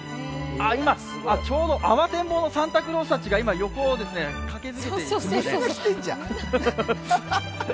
今、ちょうどあわてんぼうのサンタクロースたちが横を駆け抜けていきました。